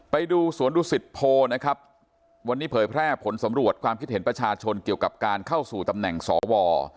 ไปดูสวนดุสิตโพนะครับวันนี้เผยแพร่ผลสำรวจความคิดเห็นประชาชนเกี่ยวกับการเข้าสู่ตำแหน่งสว